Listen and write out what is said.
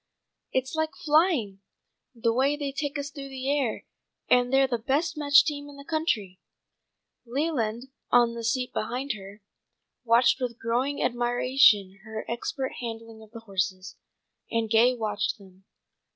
"It's like flying, the way they take us through the air, and they're the best matched team in the country." Leland, on the seat beside her, watched with growing admiration her expert handling of the horses, and Gay watched him.